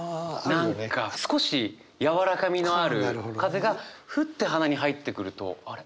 何か少しやわらかみのある風がフッて鼻に入ってくるとあれ？